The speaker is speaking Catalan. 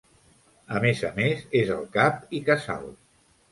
A més a més, és el cap i casal.